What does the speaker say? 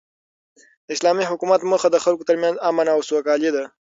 د اسلامي حکومت موخه د خلکو تر منځ امن او سوکالي ده.